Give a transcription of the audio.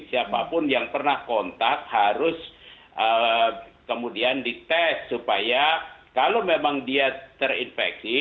siapapun yang pernah kontak harus kemudian dites supaya kalau memang dia terinfeksi